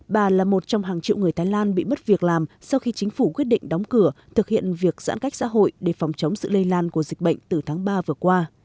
bà là một trong hàng triệu người thái lan bị mất việc làm sau khi chính phủ quyết định đóng cửa thực hiện việc giãn cách xã hội để phòng chống sự lây lan của dịch bệnh từ tháng ba vừa qua